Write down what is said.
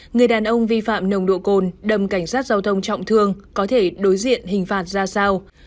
người đàn ông vi phạm nồng độ cồn đầm cảnh sát giao thông trọng thương có thể đối diện hình phạt ra sao